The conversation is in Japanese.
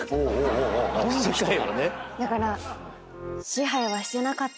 だから。